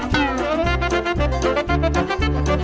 โปรดติดตามตอนต่อไป